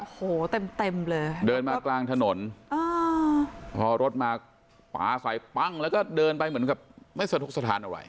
โอ้โหเต็มเต็มเลยเดินมากลางถนนพอรถมาปลาใส่ปั้งแล้วก็เดินไปเหมือนกับไม่สะทกสถานอะไร